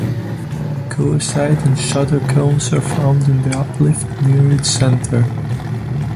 Coesite and shatter cones are found in the uplift near its center.